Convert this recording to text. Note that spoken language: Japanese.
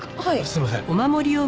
すいません。